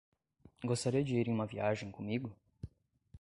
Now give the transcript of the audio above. Gostaria de ir em uma viagem comigo?